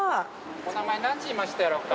お名前何ていいましたやろうか？